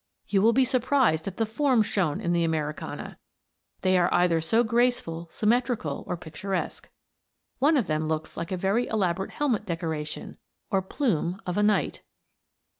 You will be surprised at the forms shown in the "Americana," they are either so graceful, symmetrical, or picturesque. One of them looks like a very elaborate helmet decoration, or plume of a knight.